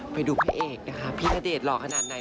ไปดูพี่เอกนะคะพี่ณเดชนหล่อขนาดไหน